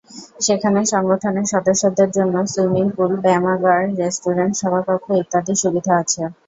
সেখানে সংগঠনের সদস্যদের জন্য সুইমিং পুল, ব্যায়ামাগার, রেস্টুরেন্ট, সভাকক্ষ ইত্যাদি সুবিধা আছে।